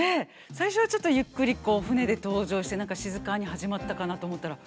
最初はちょっとゆっくり舟で登場して何か静かに始まったかなと思ったら。